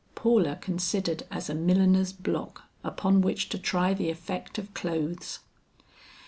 Paula considered as a milliner's block upon which to try the effect of clothes!